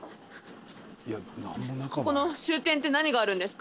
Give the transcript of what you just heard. ここの終点って何があるんですか？